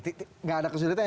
tidak ada kesulitan